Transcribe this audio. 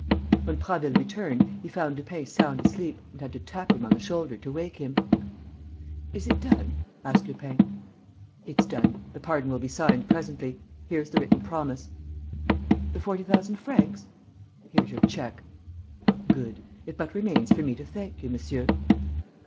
When Prasville returned, he found Lupin sound asleep and had to tap him on the shoulder to wake him. "Is it done?" asked Lupin. "It's done. The pardon will be signed presently. Here is the written promise." "The forty thousand francs?" "Here's your cheque." "Good. It but remains for me to thank you, monsieur."